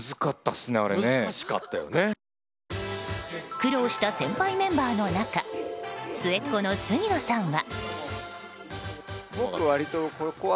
苦労した先輩メンバーの中末っ子の杉野さんは。